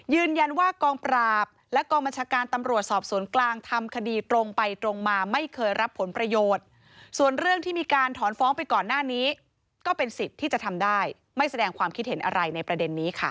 กองปราบและกองบัญชาการตำรวจสอบสวนกลางทำคดีตรงไปตรงมาไม่เคยรับผลประโยชน์ส่วนเรื่องที่มีการถอนฟ้องไปก่อนหน้านี้ก็เป็นสิทธิ์ที่จะทำได้ไม่แสดงความคิดเห็นอะไรในประเด็นนี้ค่ะ